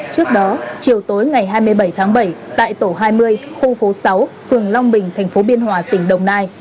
trước đó chiều tối ngày hai mươi bảy tháng bảy tại tổ hai mươi khu phố sáu phường long bình tp biên hòa tỉnh đồng nai